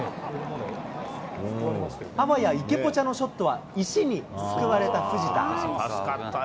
あわや池ポチャのショットは、石に救われた藤田。